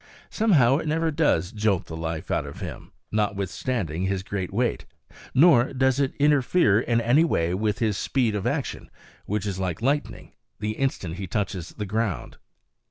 Somehow it never does jolt the life out of him, notwithstanding his great weight; nor does it interfere in any way with his speed of action, which is like lightning, the instant he touches the ground.